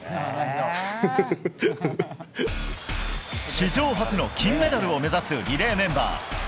史上初の金メダルを目指すリレーメンバー。